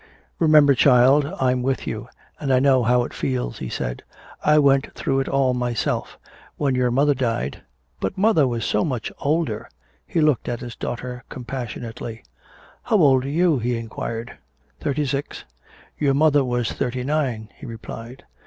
"Remember, child, I'm with you, and I know how it feels," he said. "I went through it all myself: When your mother died " "But mother was so much older!" He looked at his daughter compassionately. "How old are you?" he inquired. "Thirty six." "Your mother was thirty nine," he replied.